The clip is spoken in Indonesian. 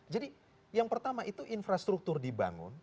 jadi yang pertama itu infrastruktur dibangun